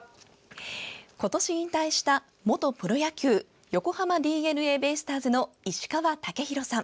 今年引退した元プロ野球横浜ＤｅＮＡベイスターズの石川雄洋さん。